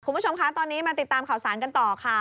คุณผู้ชมคะตอนนี้มาติดตามข่าวสารกันต่อค่ะ